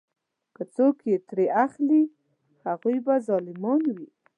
که څوک یې ترې اخلي هغوی به ظالمان وي.